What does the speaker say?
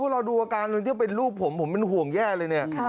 พวกเราดูอาการที่เป็นลูกผมผมเป็นห่วงแย่เลย